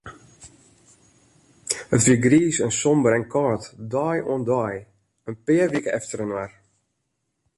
It wie griis en somber en kâld, dei oan dei, in pear wike efterinoar.